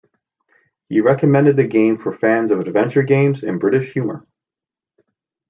He recommended the game for fans of adventure games and British humour.